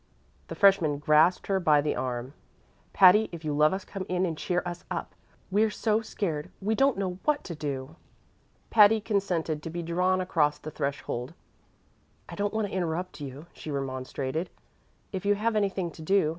The freshman grasped her by the arm. "Patty, if you love us come in and cheer us up. We're so scared we don't know what to do." Patty consented to be drawn across the threshold. "I don't want to interrupt you," she remonstrated, "if you have anything to do."